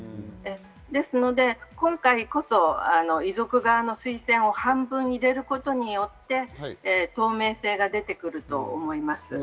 ですので、今回こそ遺族側の推薦を半分入れることによって透明性が出てくると思います。